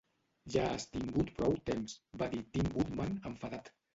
"Ja has tingut prou temps", va dir Tin Woodman enfadat.